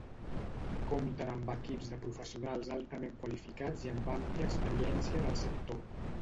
Compten amb equips de professionals altament qualificats i amb àmplia experiència en el sector.